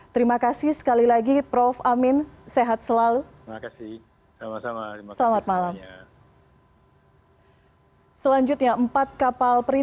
terima kasih sekali lagi prof amin sehat selalu